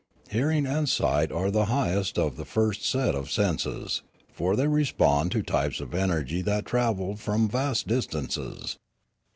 Hearing and sight are the highest of the first set of senses; for they respond to types of energy that travel from vast dis tances.